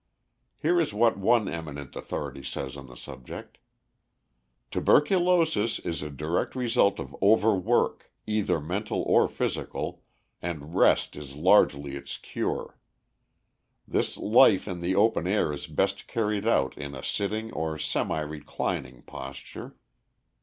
Here is what one eminent authority says on the subject: "Tuberculosis is a direct result of over work, either mental or physical, and rest is largely its cure. This life in the open air is best carried out in a sitting or semi reclining posture.